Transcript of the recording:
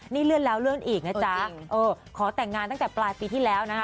นี่เลื่อนแล้วเลื่อนอีกนะจ๊ะเออขอแต่งงานตั้งแต่ปลายปีที่แล้วนะคะ